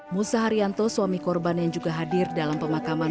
musa haryanto suami korban yang juga hadir dalam pemakaman